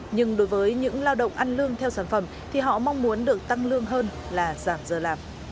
nhưng đối với những lao động ăn lương theo sản phẩm thì họ mong muốn được tăng lương hơn là giảm giờ làm